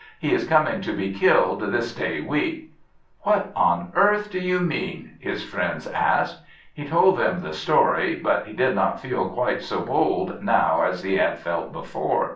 "He is coming to be killed this day week." "What on earth do you mean?" his friends asked. He told them the story, but he did not feel quite so bold now as he had felt before.